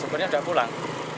sopirnya sudah pulang